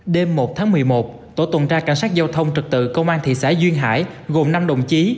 đêm một tháng một mươi một tổ tuần tra cảnh sát giao thông trực tự công an thị xã duyên hải gồm năm đồng chí